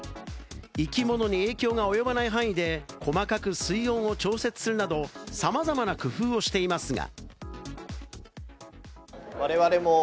生き物に影響が及ばない範囲で細かく水温を調整するなど、さまざまな工夫をしていますが。